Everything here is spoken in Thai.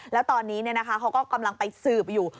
แล้วตอนนี้เขาก็กำลังไปสืบอยู่